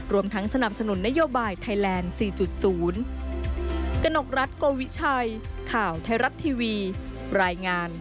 รวมทั้งสนับสนุนนโยบายไทยแลนด์๔๐